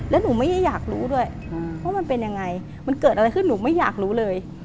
แล้วหนูไม่ได้อยากรู้ด้วยว่ามันเป็นยังไงมันเกิดอะไรขึ้นหนูไม่อยากรู้เลย